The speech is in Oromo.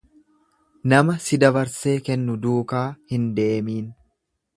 Nama si dabarsee kennu duukaa hin deemiin.